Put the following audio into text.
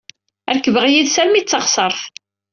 Rekbeɣ yid-s armi d taɣsert.